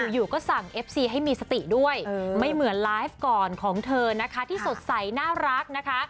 อยู่ก็สั่งเอฟซีให้มีสติด้วยไม่เหมือนไลฟ์ก่อนของเธอนะคะที่สดใสน่ารักนะคะ